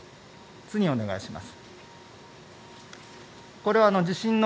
次、お願いします。